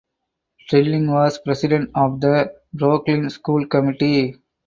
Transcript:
Trilling was president of the Brookline School Committee.